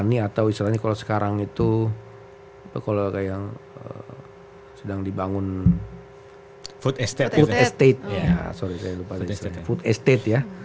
misalnya kalau sekarang itu kalau kayak sedang dibangun food estate ya